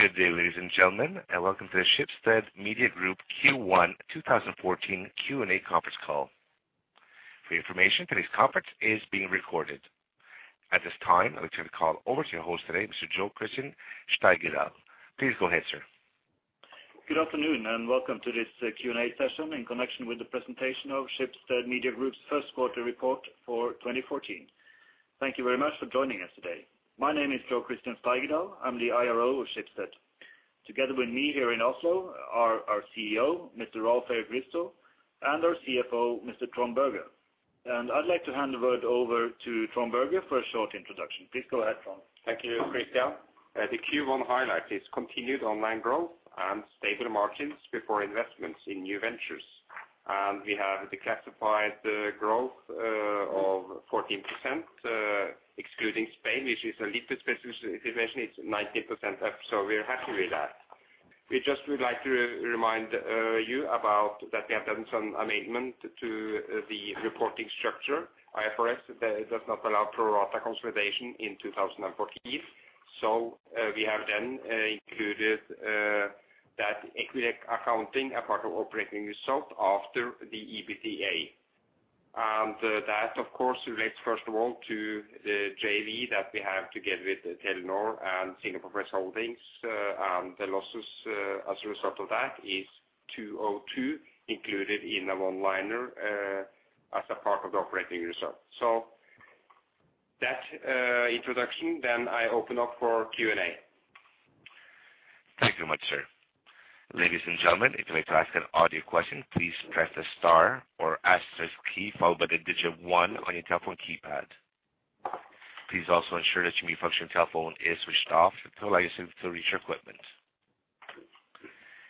Good day, ladies and gentlemen, and welcome to the Schibsted Media Group Q1 2014 Q&A conference call. For your information, today's conference is being recorded. At this time, I'll turn the call over to your host today, Mr. Jo Christian Stigedal. Please go ahead, sir. Good afternoon, welcome to this Q&A session in connection with the presentation of Schibsted Media Group's first quarter report for 2014. Thank you very much for joining us today. My name is Jo Christian Stigedal. I'm the IRO of Schibsted. Together with me here in Oslo are our CEO, Mr. Rolv Erik Ryssdal, and our CFO, Mr. Trond Berger. I'd like to hand the word over to Trond Berger for a short introduction. Please go ahead, Trond. Thank you, Christian. The Q1 highlight is continued online growth and stable margins before investments in new ventures. We have declassified the growth of 14% excluding Spain, which is a little bit special situation. It's 19% up, so we're happy with that. We just would like to remind you about that we have done some amendment to the reporting structure. IFRS does not allow pro rata consolidation in 2014. We have then included that equity accounting as part of operating result after the EBITA. That, of course, relates first of all to the JV that we have together with Telenor and Singapore Press Holdings. The losses as a result of that is 202 included in our one-liner as a part of the operating result. That, introduction, then I open up for Q&A. Thank you very much, sir. Ladies and gentlemen, if you'd like to ask an audio question, please press the star or asterisk key followed by the digit one on your telephone keypad. Please also ensure that your mute function telephone is switched off to allow yourself to reach your equipment.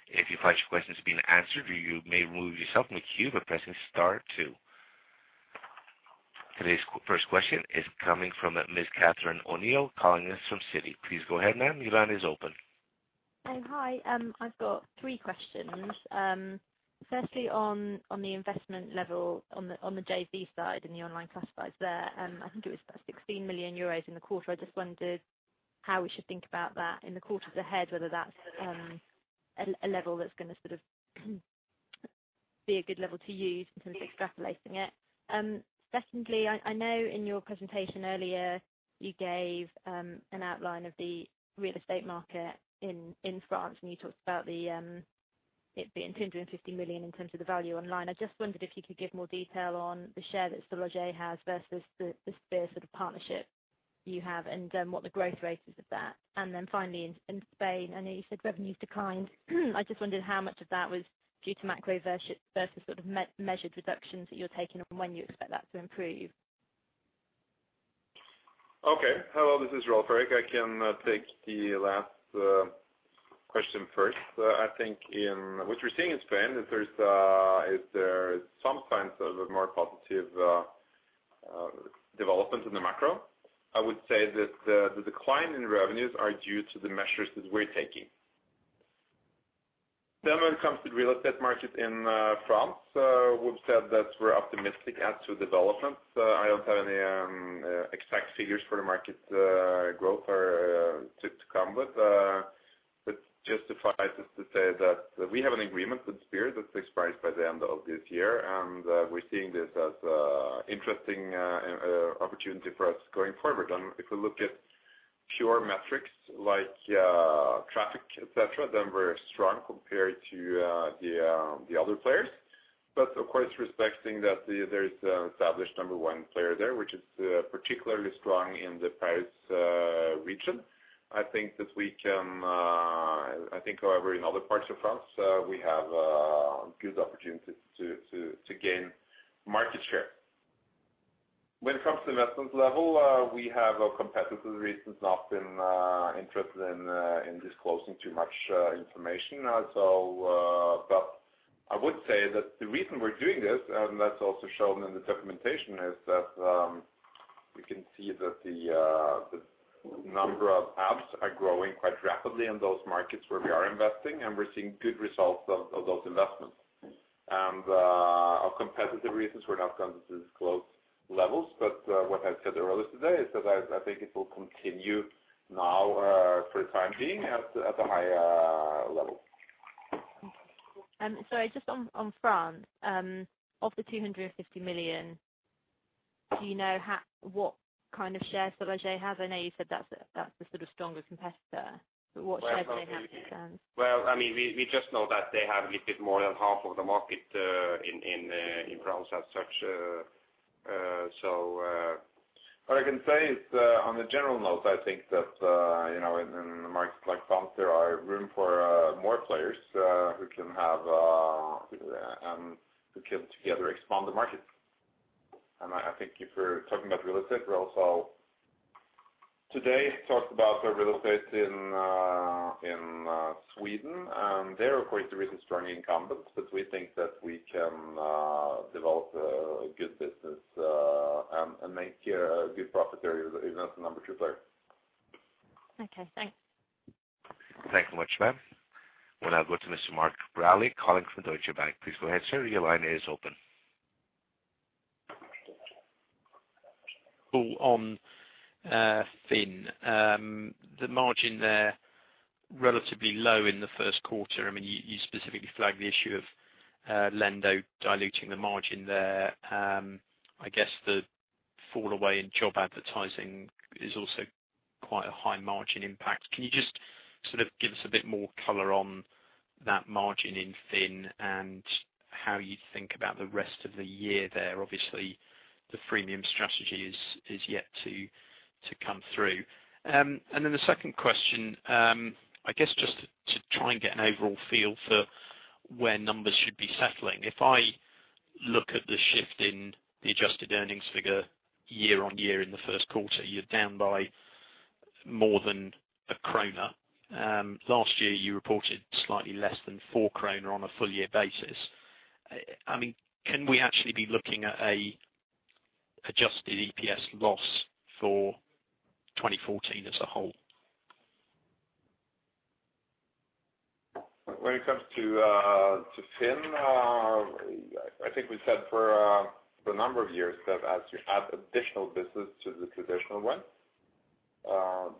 If you find your questions being answered, you may remove yourself from the queue by pressing star two. Today's first question is coming from Ms. Catherine O'Neill calling us from Citi. Please go ahead, ma'am. Your line is open. Hi. I've got three questions. Firstly on the investment level on the JV side in the online classifieds there, I think it was about 16 million euros in the quarter. I just wondered how we should think about that in the quarters ahead, whether that's a level that's gonna sort of be a good level to use in terms of extrapolating it. Secondly, I know in your presentation earlier, you gave an outline of the real estate market in France, and you talked about it being 250 million in terms of the value online. I just wondered if you could give more detail on the share that SeLoger has versus the SPIR sort of partnership you have and what the growth rate is of that. Finally in Spain, I know you said revenues declined. I just wondered how much of that was due to macro versus sort of measured reductions that you're taking and when you expect that to improve? Okay. Hello, this is Rolv Erik. I can take the last question first. I think in... What we're seeing in Spain is there's, is there is some signs of a more positive development in the macro. I would say that the decline in revenues are due to the measures that we're taking. When it comes to real estate market in France, we've said that we're optimistic as to developments. I don't have any exact figures for the market growth or to come with. But just suffice is to say that we have an agreement with SPIR that expires by the end of this year, and we're seeing this as a interesting opportunity for us going forward. If we look at pure metrics like traffic, et cetera, then we're strong compared to the other players. Of course, respecting that there's an established number one player there, which is particularly strong in the Paris Region. I think that we can... I think however in other parts of France, we have a good opportunity to gain market share. When it comes to investment level, we have a competitive reasons not been interested in disclosing too much information. I would say that the reason we're doing this, and that's also shown in the documentation, is that we can see that the number of apps are growing quite rapidly in those markets where we are investing, and we're seeing good results of those investments. Competitive reasons, we're not going to disclose levels. What I've said earlier today is that I think it will continue now, for the time being at a high level. Okay. Sorry, just on France, of the 250 million, do you know what kind of share SeLoger have? I know you said that's the sort of stronger competitor, but what share do they have in France? Well, I mean, we just know that they have a little bit more than half of the market in France as such. What I can say is on a general note, I think that, you know, in markets like France, there are room for more players who can together expand the market. I think if we're talking about real estate, we're also today talked about the real estate in Sweden, and there of course there is a strong incumbent. We think that we can develop a good business and make a good profit there even as the number two player. Okay, thanks. Thank you much, ma'am. We'll now go to Mr. Mark Raleigh calling from Deutsche Bank. Please go ahead, sir. Your line is open. All on FINN.no. The margin there relatively low in the first quarter. I mean, you specifically flagged the issue of Lendo diluting the margin there. I guess the fall away in job advertising is also quite a high margin impact. Can you just sort of give us a bit more color on that margin in FINN.no and how you think about the rest of the year there? Obviously, the freemium strategy is yet to come through. The second question, I guess just to try and get an overall feel for where numbers should be settling. If I look at the shift in the adjusted earnings figure year on year in the first quarter, you're down by more than 1 NOK. Last year, you reported slightly less than 4 kroner on a full year basis. I mean, can we actually be looking at an adjusted EPS loss for 2014 as a whole? When it comes to FINN.no, I think we said for a number of years that as you add additional business to the traditional one,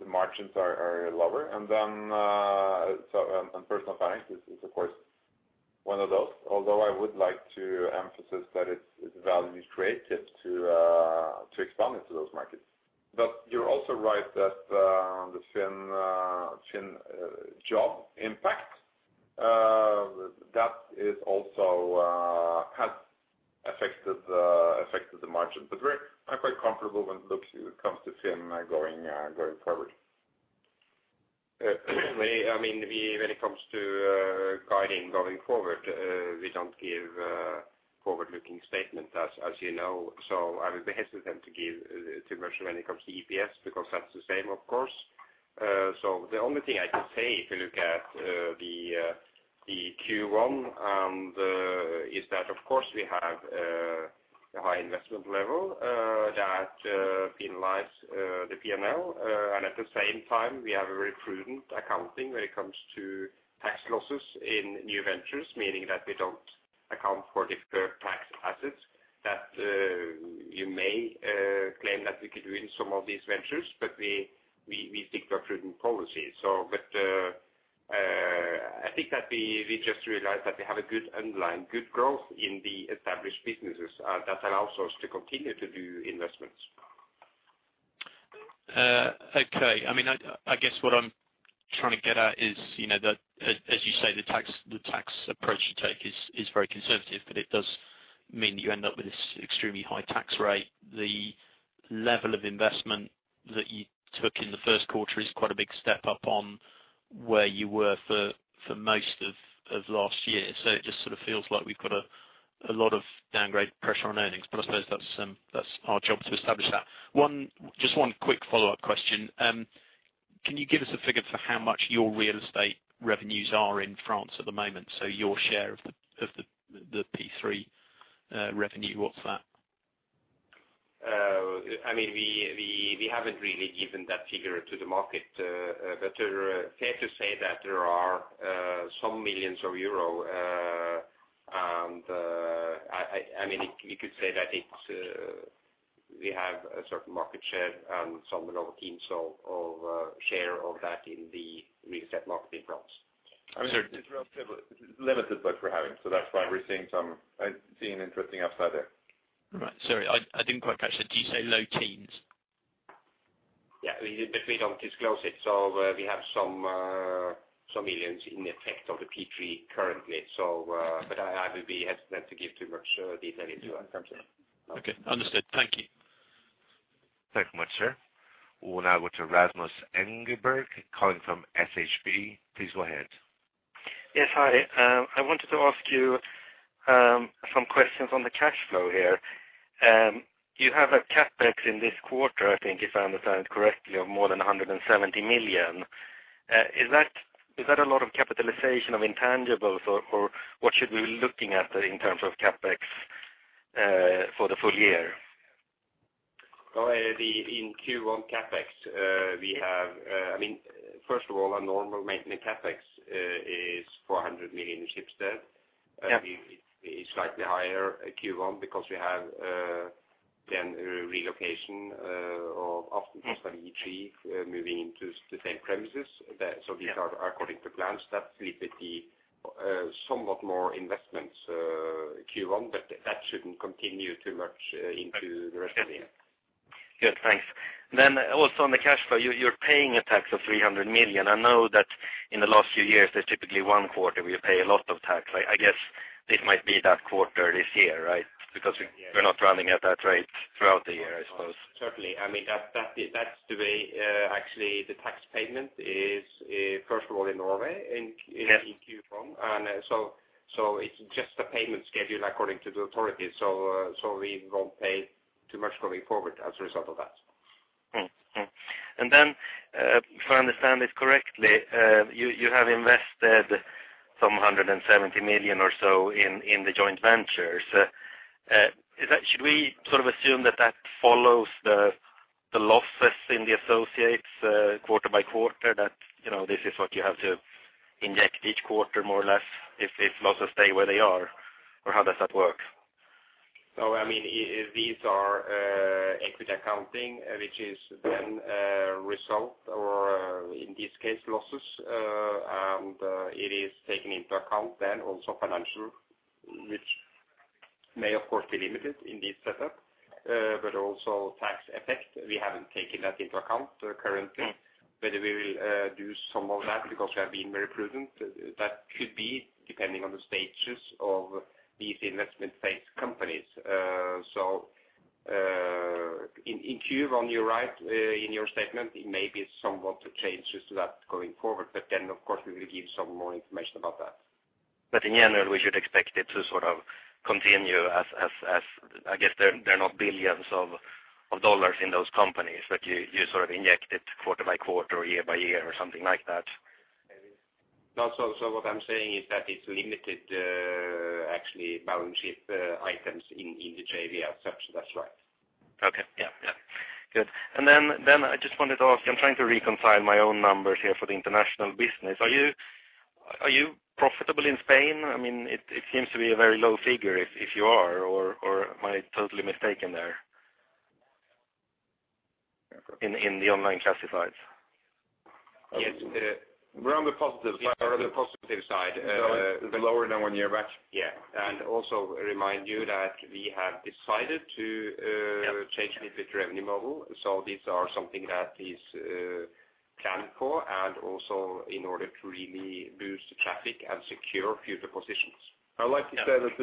the margins are lower. Personal Finance is of course one of those. Although I would like to emphasize that it's value-creative to expand into those markets. You're also right that the FINN.no job impact that is also has affected the margin. I'm quite comfortable when it comes to FINN.no going forward. I mean, when it comes to guiding going forward, we don't give forward-looking statements as you know. I would be hesitant to give too much when it comes to EPS because that's the same of course. The only thing I can say if you look at the Q1, and is that of course we have a high investment level that penalizes the P&L. At the same time, we have a very prudent accounting when it comes to tax losses in new ventures, meaning that we don't account for deferred tax assets that you may claim that we could win some of these ventures. We stick to a prudent policy. I think that we just realized that we have a good underlying growth in the established businesses that allows us to continue to do investments. Okay. I mean, I guess what I'm trying to get at is, you know, that as you say, the tax approach you take is very conservative, but it does mean that you end up with this extremely high tax rate. The level of investment that you took in the first quarter is quite a big step up on where you were for most of last year. It just sort of feels like we've got a lot of downgrade pressure on earnings, but I suppose that's our job to establish that. Just one quick follow-up question. Can you give us a figure for how much your real estate revenues are in France at the moment? Your share of the P3 revenue, what's that? I mean, we haven't really given that figure to the market. It is fair to say that there are some millions of EUR. I mean, you could say that it's we have a certain market share and some low teens of share of that in the real estate market in France. I mean, it's limited, but we're having, so that's why we're seeing. I see an interesting upside there. Right. Sorry, I didn't quite catch that. Did you say low teens? Yeah. We don't disclose it, so we have some million in effect of the P3 currently. But I would be hesitant to give too much detail into that. Okay. Understood. Thank you. Thank you much, sir. We'll now go to Rasmus Engberg calling from SHB. Please go ahead. Yes. Hi. I wanted to ask you some questions on the cash flow here. You have a CapEx in this quarter, I think, if I understand correctly, of more than 170 million. Is that a lot of capitalization of intangibles or what should we be looking at in terms of CapEx for the full year? Well, in Q1 CapEx, we have, I mean, first of all, our normal maintenance CapEx, is 400 million in Schibsted. Yeah. It's slightly higher Q1 because we have then relocation after Testa moving into the same premises that. Yeah. These are according to plans. That lifted the somewhat more investments Q1, but that shouldn't continue too much into the rest of the year. Good, thanks. Also on the cash flow, you're paying a tax of 300 million. I know that in the last few years, there's typically one quarter where you pay a lot of tax. I guess this might be that quarter this year, right? Because we're not running at that rate throughout the year, I suppose. Certainly. I mean, that's the way, actually the tax payment is, first of all in Norway in Q1. Yes. It's just a payment schedule according to the authorities. We won't pay too much going forward as a result of that. If I understand this correctly, you have invested some 170 million or so in the joint ventures. Should we sort of assume that that follows the losses in the associates quarter by quarter, that, you know, this is what you have to inject each quarter more or less if losses stay where they are? Or how does that work? No, I mean, these are equity accounting, which is then result or in this case, losses. It is taken into account then also financial, which may of course be limited in this setup, but also tax effects. We haven't taken that into account currently, but we will do some of that because we have been very prudent. That could be depending on the stages of these investment-based companies. In Q on your right, in your statement, it may be somewhat to changes to that going forward. Of course, we will give some more information about that. In general, we should expect it to sort of continue as I guess, they're not billions of dollars in those companies that you sort of inject it quarter by quarter or year by year or something like that. No. What I'm saying is that it's limited, actually balance sheet items in the JV as such. That's right. Okay. Yeah. Yeah. Good. I just wanted to ask, I'm trying to reconcile my own numbers here for the international business. Are you profitable in Spain? I mean, it seems to be a very low figure if you are or am I totally mistaken there? In the online classifieds. Yes. We're on the positive side. We're on the positive side. Lower than one year back. Yeah. Also remind you that we have decided to. Yeah. -change a bit revenue model. These are something that is planned for and also in order to really boost the traffic and secure future positions. I'd like to say that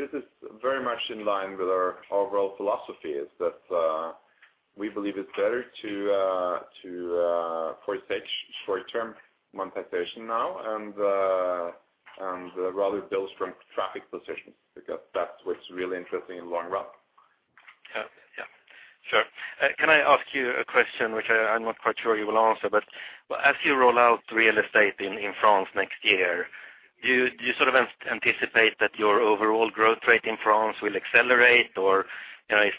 this is very much in line with our overall philosophy, is that, we believe it's better to forsake short-term monetization now and rather build strong traffic positions because that's what's really interesting in long run. Yeah. Yeah. Sure. Can I ask you a question which I'm not quite sure you will answer, but as you roll out real estate in France next year, do you sort of anticipate that your overall growth rate in France will accelerate? You know, if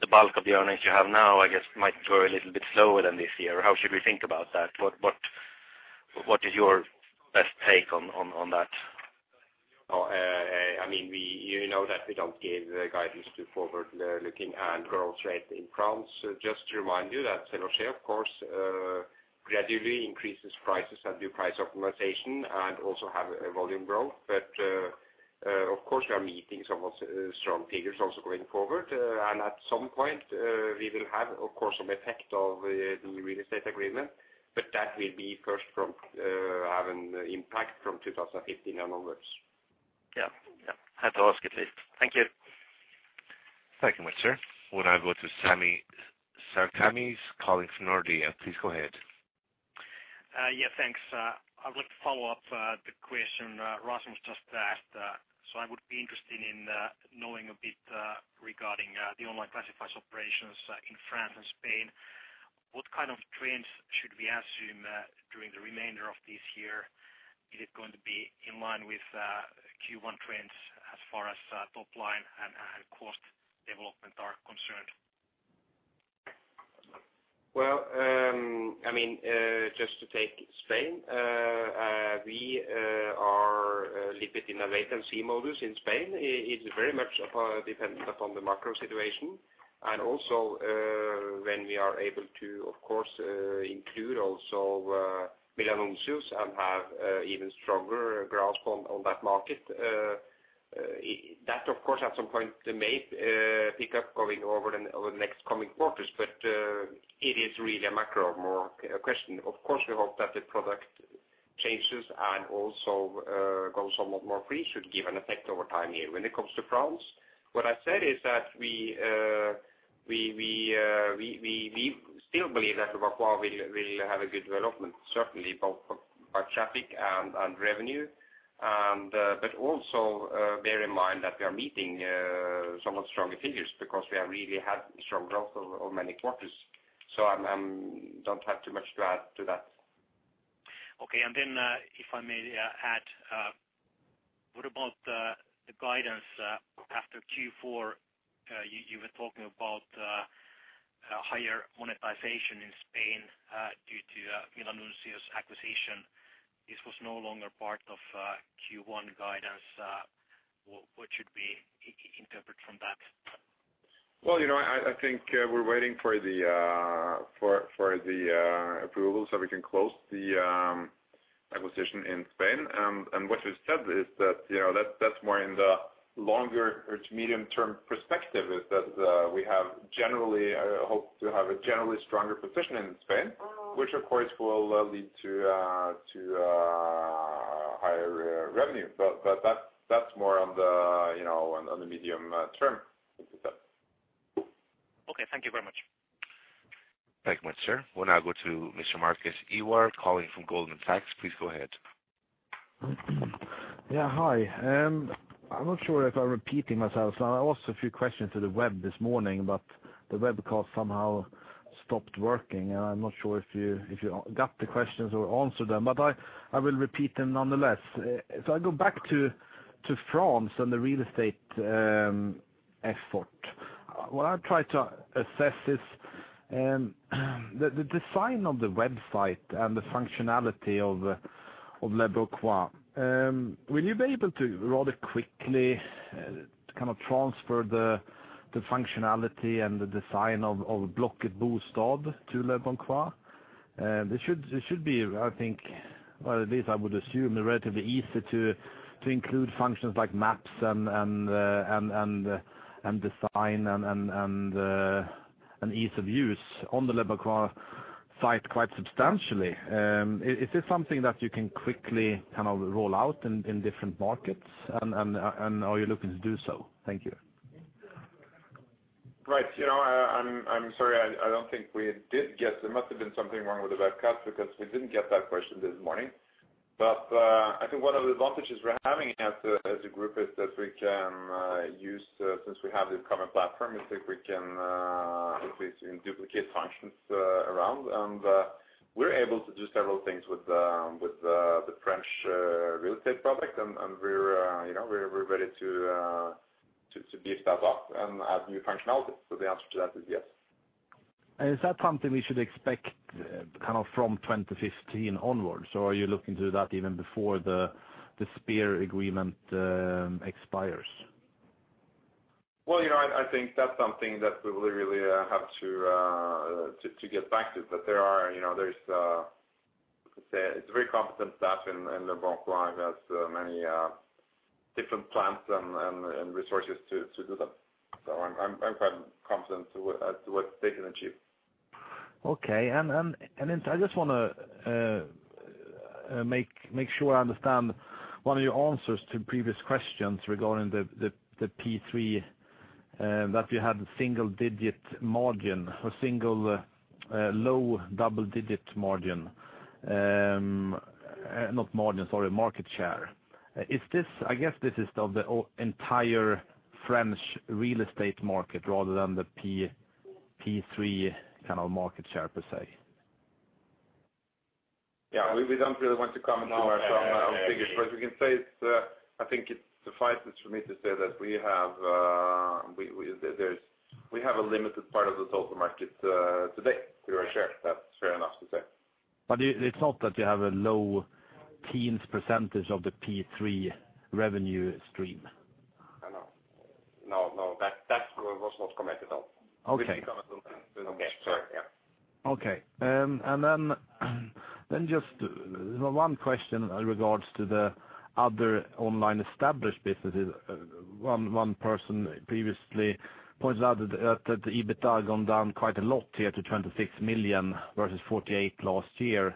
the bulk of the earnings you have now, I guess, might grow a little bit slower than this year, or how should we think about that? What is your best take on that? I mean, you know that we don't give guidance to forward looking and growth rate in France. Just to remind you that SeLoger, of course, gradually increases prices and do price optimization and also have a volume growth. Of course, we are meeting somewhat strong figures also going forward. At some point, we will have of course, some effect of the real estate agreement, but that will be first from have an impact from 2015 onwards. Yeah. Yeah. Had to ask it. Thank you. Thank you much, sir. We'll now go to Sami Sarkamies calling from Nordea. Please go ahead. Yeah, thanks. I would like to follow up the question Rasmus just asked. I would be interested in knowing a bit regarding the online classifieds operations in France and Spain. What kind of trends should we assume during the remainder of this year? Is it going to be in line with Q1 trends as far as top line and cost development are concerned? Just to take Spain, we are a little bit in a wait and see modus in Spain. It is very much dependent upon the macro situation and also when we are able to, of course, include also Milanuncios and have even stronger grasp on that market. That of course at some point may pick up going over the next coming quarters. It is really a macro more question. Of course, we hope that the product changes and also go somewhat more free should give an effect over time here. When it comes to France, what I said is that we still believe that Leboncoin will have a good development, certainly both for traffic and revenue. But also, bear in mind that we are meeting somewhat stronger figures because we have really had strong growth over many quarters. I'm don't have too much to add to that. Okay. If I may add, what about the guidance after Q4? You were talking about higher monetization in Spain due to Milanuncios acquisition. This was no longer part of Q1 guidance. What should we interpret from that? Well, you know, I think we're waiting for the approval so we can close the acquisition in Spain. What you said is that, you know, that's more in the longer or to medium term perspective, is that, we have generally hope to have a generally stronger position in Spain, which of course will lead to higher revenue. That's more on the, you know, on the medium term perspective. Okay. Thank you very much. Thank you much, sir. We'll now go to Mr. Marcus Ivar calling from Goldman Sachs. Please go ahead. Yeah. Hi. I'm not sure if I'm repeating myself. I asked a few questions to the web this morning, but the web call somehow stopped working, and I'm not sure if you got the questions or answered them, but I will repeat them nonetheless. If I go back to France and the real estate effort What I try to assess is, the design of the website and the functionality of Leboncoin. Will you be able to rather quickly kind of transfer the functionality and the design of Blocket Bostad to Leboncoin? It should be, I think, or at least I would assume relatively easy to include functions like maps and design and ease of use on the Leboncoin site quite substantially. Is this something that you can quickly kind of roll out in different markets and are you looking to do so? Thank you. Right. You know, I'm sorry. I don't think we did get. There must have been something wrong with the webcast because we didn't get that question this morning. I think one of the advantages we're having as a group is that we can use since we have this common platform, is that we can if it's in duplicate functions around. We're able to do several things with with the French real estate product. We're, you know, we're ready to beef that up and add new functionality. The answer to that is yes. Is that something we should expect kind of from 2015 onwards, or are you looking to do that even before the SPIR agreement expires? Well, you know, I think that's something that we will really have to get back to. There are, you know, there's how to say, it's very competent staff in Leboncoin, who has many different plans and resources to do that. I'm quite confident at what they can achieve. Okay. I just wanna make sure I understand one of your answers to previous questions regarding the P3 that you had a single-digit margin or single low double-digit margin. Not margin, sorry, market share. Is this I guess this is of the entire French real estate market rather than the P3 kind of market share per se? Yeah. We don't really want to comment on our own figures. We can say it's I think it suffices for me to say that we have a limited part of the total market today through our share. That's fair enough to say. It's not that you have a low teens % of the P3 revenue stream? No. No, no, that was not commented on. Okay. We didn't comment on that. No, sorry, yeah. Okay. Then just one question in regards to the other online established businesses. One person previously pointed out that the EBITDA had gone down quite a lot here to 26 million versus 48 million last year.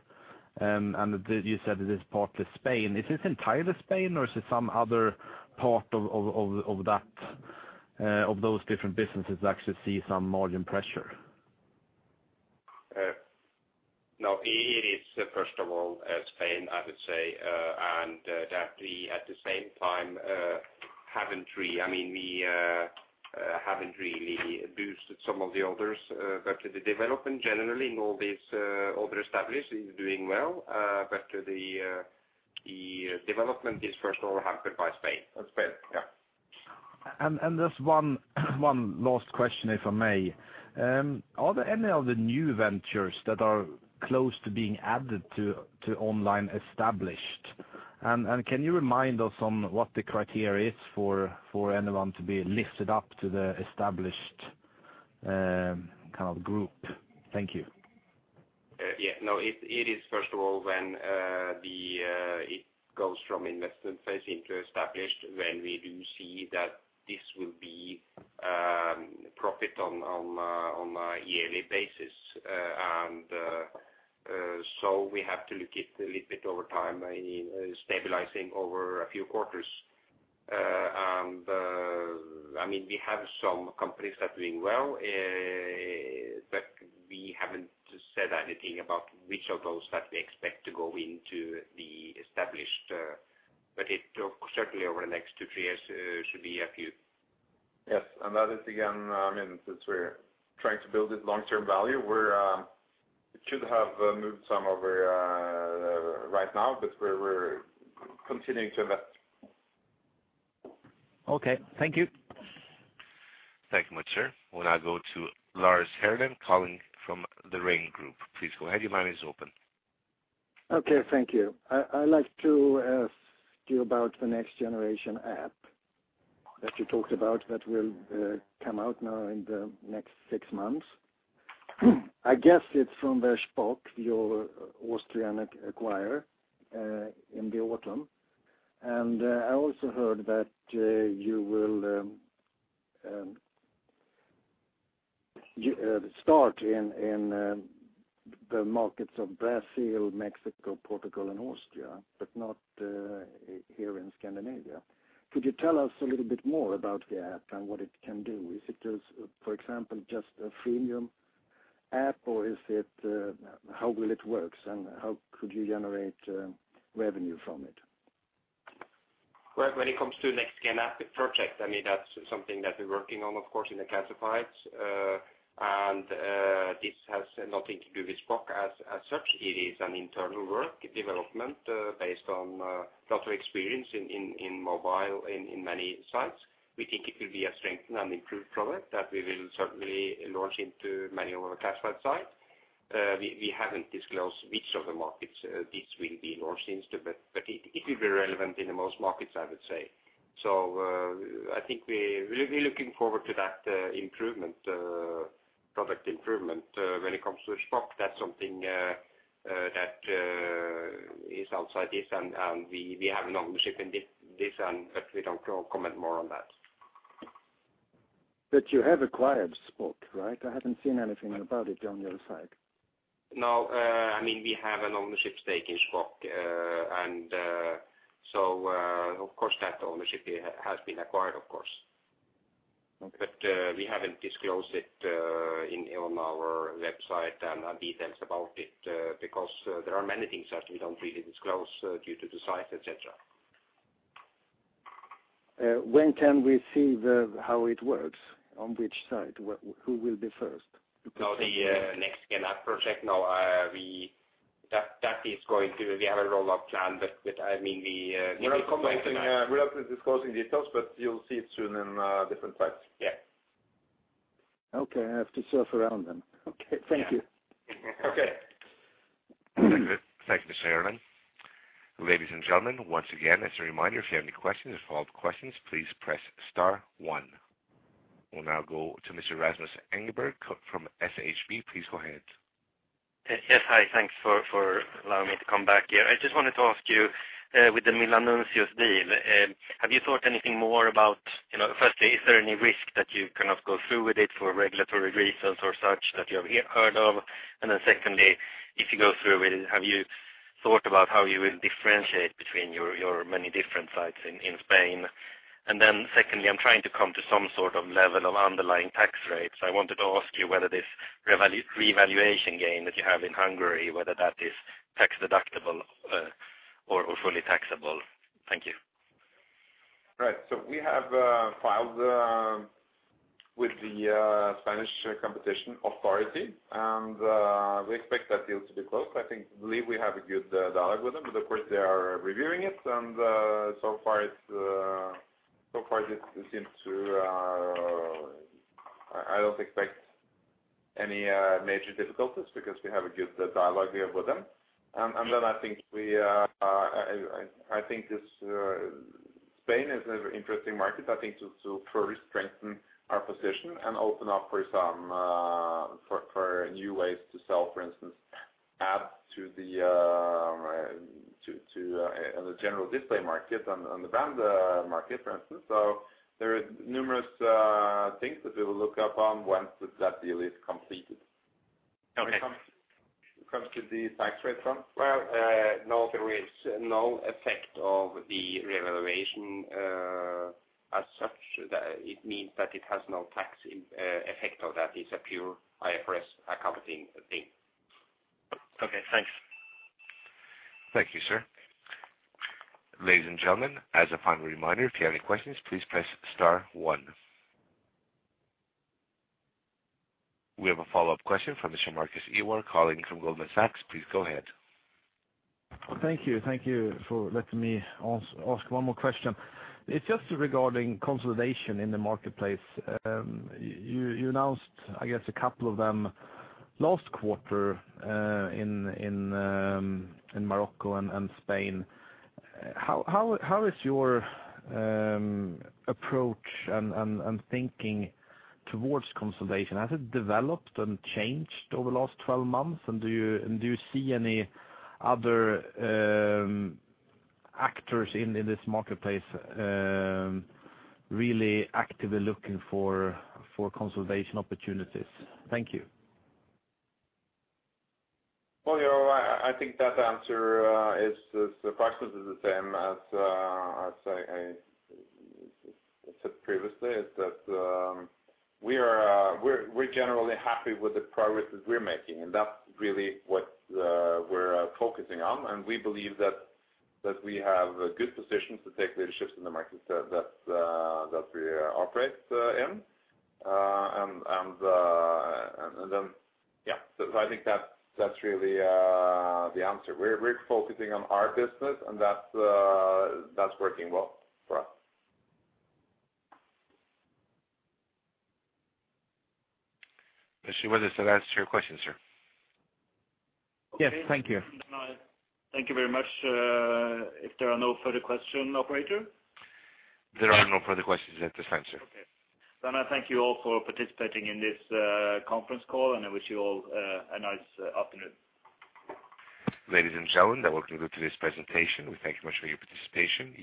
You said it is partly Spain. Is this entirely Spain, or is it some other part of that, of those different businesses that actually see some margin pressure? No, it is, first of all, Spain, I would say, and that we at the same time, I mean, we haven't really boosted some of the others. The development generally in all these other established is doing well, but the development is first of all hampered by Spain. By Spain, yeah. Just one last question, if I may. Are there any of the new ventures that are close to being added to online established? Can you remind us on what the criteria is for anyone to be lifted up to the established kind of group? Thank you. Yeah, no, it is first of all when the it goes from investment phase into established, when we do see that this will be profit on a yearly basis. We have to look it a little bit over time, I mean, stabilizing over a few quarters. I mean, we have some companies that are doing well, but we haven't said anything about which of those that we expect to go into the established. But it certainly over the next 2-3 years should be a few. Yes. That is again, I mean, since we're trying to build this long-term value, we're, we should have moved some over right now, but we're continuing to invest. Okay. Thank you. Thank you much, sir. We'll now go to Lars Herlitz calling from The Raine Group. Please go ahead. Your line is open. Okay. Thank you. I'd like to ask you about the Next-Generation app that you talked about that will come out now in the next six months. I guess it's from the Shpock, your Austrian acquirer in the autumn. I also heard that you start in the markets of Brazil, Mexico, Portugal and Austria, but not here in Scandinavia. Could you tell us a little bit more about the app and what it can do? Is it just, for example, just a freemium app or is it how will it works and how could you generate revenue from it? Well, when it comes to Next Gen app project, I mean, that's something that we're working on of course in the classifieds. This has nothing to do with Shpock as such. It is an internal work development, based on lot of experience in mobile in many sites. We think it will be a strengthened and improved product that we will certainly launch into many of our classified site. We haven't disclosed which of the markets this will be launched into, but it will be relevant in the most markets I would say. I think we're really looking forward to that improvement, product improvement. When it comes to Shpock, that's something that is outside this and we have an ownership in this and we don't comment more on that. You have acquired Shpock, right? I haven't seen anything about it on your site. No. I mean, we have an ownership stake in Shpock. Of course that ownership has been acquired, of course. Okay. We haven't disclosed it, on our website and details about it, because, there are many things that we don't really disclose, due to the size, et cetera. When can we see how it works? On which site? Who will be first? The next project. That is going to. We have a rollout plan, I mean. We will comment on that. We're not disclosing details. You'll see it soon in different sites. Yeah. Okay. I have to surf around then. Okay. Thank you. Yeah. Okay. Thank you, Mr. Herlitz. Ladies and gentlemen, once again, as a reminder, if you have any questions or follow-up questions, please press star one. We'll now go to Mr. Rasmus Engberg from SHB. Please go ahead. Yes. Hi. Thanks for allowing me to come back here. I just wanted to ask you, with the Milanuncios deal, have you thought anything more about, you know, firstly, is there any risk that you cannot go through with it for regulatory reasons or such that you have heard of? Secondly, if you go through with it, have you thought about how you will differentiate between your many different sites in Spain? Secondly, I'm trying to come to some sort of level of underlying tax rates. I wanted to ask you whether this revaluation gain that you have in Hungary, whether that is tax-deductible, or fully taxable. Thank you. Right. We have filed with the Spanish Competition Authority. We expect that deal to be closed. I think, believe we have a good dialogue with them. Of course, they are reviewing it. So far it seems to. I don't expect any major difficulties because we have a good dialogue here with them. I think this Spain is a very interesting market, I think to further strengthen our position and open up for some for new ways to sell, for instance, add to the on the general display market, on the brand market, for instance. There are numerous things that we will look up on once that deal is completed. Okay. When it comes to the tax rate front, well, no, there is no effect of the revaluation as such. It means that it has no tax effect of that. It's a pure IFRS accounting thing. Okay, thanks. Thank you, sir. Ladies and gentlemen, as a final reminder, if you have any questions, please press star one. We have a follow-up question from Mr. Marcus Ivar calling from Goldman Sachs. Please go ahead. Thank you. Thank you for letting me ask one more question. It's just regarding consolidation in the marketplace. You announced, I guess, a couple of them last quarter, in Morocco and Spain. How is your approach and thinking towards consolidation? Has it developed and changed over the last 12 months? Do you see any other actors in this marketplace really actively looking for consolidation opportunities? Thank you. Well, you know, I think that answer, the question is the same as I'd say I said previously, is that we are, we're generally happy with the progress that we're making, and that's really what we're focusing on. We believe that we have a good position to take leaderships in the markets that we operate in. Then. Yeah. I think that's really the answer. We're focusing on our business, and that's working well for us. Mr. Ivarsson, does that answer your question, sir? Yes. Thank you. Thank you very much. If there are no further question, operator? There are no further questions at this time, sir. Okay. I thank you all for participating in this conference call, and I wish you all a nice afternoon. Ladies and gentlemen, that will conclude today's presentation. We thank you much for your participation.